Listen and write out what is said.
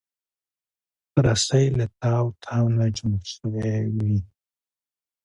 رسۍ له تاو تاو نه جوړه شوې وي.